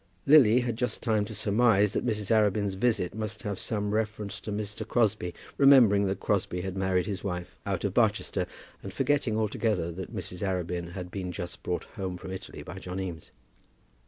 Lily had just time to surmise that Mrs. Arabin's visit must have some reference to Mr. Crosbie, remembering that Crosbie had married his wife out of Barsetshire, and forgetting altogether that Mrs. Arabin had been just brought home from Italy by John Eames.